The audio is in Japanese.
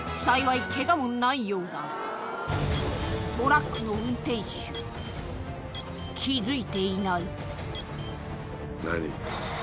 幸いケガもないようだトラックの運転手気付いていない何？